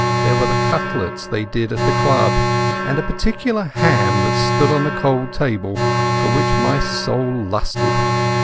There were the cutlets they did at the club, and a particular ham that stood on the cold table, for which my soul lusted.